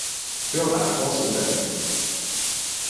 比我大哥小得遠，